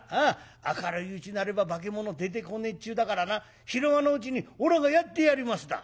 明るいうちならば化物出てこねえっちゅうだからな昼間のうちにおらがやってやりますだ」。